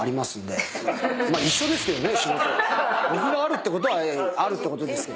僕もあるってことはあるってことですよ。